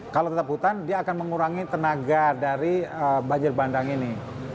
kalau tetap hutan dia akan mengurangi tenaga dari banjir bandang ini